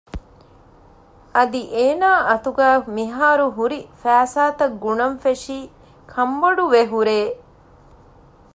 އަދި އޭނާ އަތުގައި މިހާރު ހުރި ފައިސާތައް ގުނަން ފެށީ ކަންބޮޑުވެ ހުރޭ